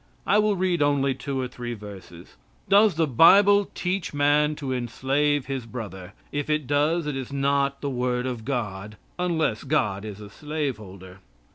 I will read only two or three verses. Does the Bible teach man to enslave his brother? If it does, it is not the word of God, unless God is a slaveholder.